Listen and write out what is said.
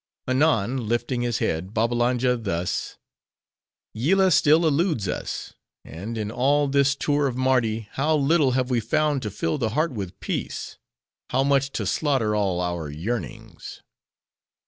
Anon, lifting his head, Babbalanja thus:—"Yillah still eludes us. And in all this tour of Mardi, how little have we found to fill the heart with peace: how much to slaughter all our yearnings."